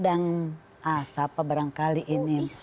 ah siapa barangkali ini